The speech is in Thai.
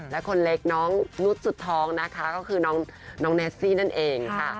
และคนเล็กน้องนุษย์สุดท้องนะคะก็คือน้องเนสซี่นั่นเองค่ะ